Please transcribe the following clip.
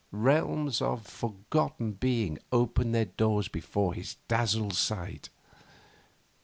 Realms of forgotten being opened their doors before his dazzled sight.